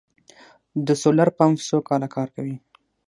د سولر پمپ څو کاله کار کوي؟